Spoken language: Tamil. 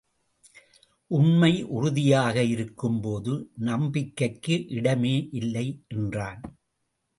உண்மை உறுதியாக இருக்கும் போது நம்பிக்கைக்கு இடமே இல்லை என்றான்.